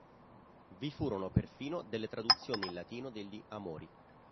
Vi furono perfino delle traduzioni in latino degli "Amori".